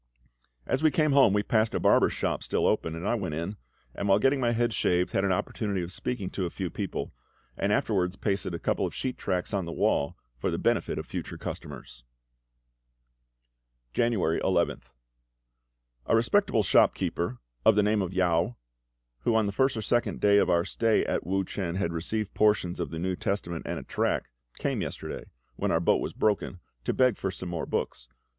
As we came home we passed a barber's shop still open, and I went in, and while getting my head shaved had an opportunity of speaking to a few people, and afterwards pasted a couple of sheet tracts on the wall for the benefit of future customers. January 11th. A respectable shop keeper of the name of Yao, who on the first or second day of our stay at Wu chen had received portions of the New Testament and a tract, came yesterday, when our boat was broken, to beg for some more books.